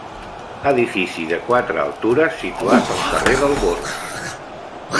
Edifici de quatre altures situat al carrer del Born.